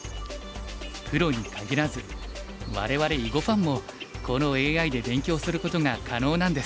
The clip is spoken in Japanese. プロにかぎらず我々囲碁ファンもこのＡＩで勉強することが可能なんです。